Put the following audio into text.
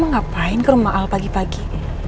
mau ngapain kerumah al pagi pagi